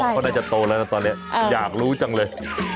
เขาน่าจะโตแล้วนะตอนนี้อยากรู้จังเลย